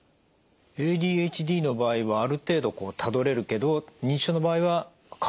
ＡＤＨＤの場合はある程度たどれるけど認知症の場合は「鍵？